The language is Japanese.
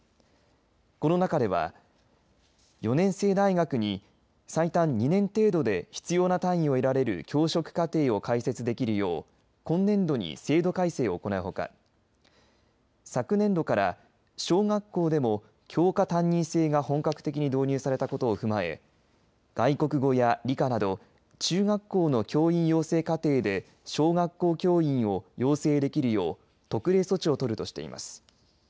この中では４年制大学に最短２年程度で必要な単位を得られる教職課程を開設できるよう今年度に制度改正を行うほか昨年度から小学校でも教科担任制が本格的に導入されたことを踏まえ外国語や理科など中学校の教員養成課程で小学校教員を養成できるよう特例措置を取るとしています。